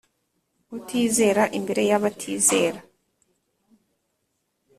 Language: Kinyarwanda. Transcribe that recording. Utizera imbere y abatizera